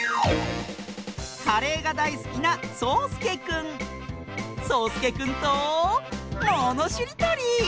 カレーがだいすきなそうすけくんとものしりとり！